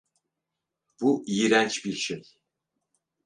Bu iğrenç bir şey.